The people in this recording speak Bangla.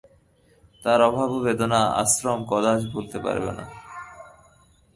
তাঁর অভাব ও বেদনা আশ্রম কদাচ ভুলতে পারবে না।